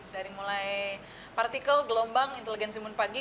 dari mulai partikel gelombang inteligensi mumpagi